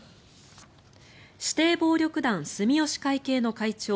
指定暴力団住吉会系の会長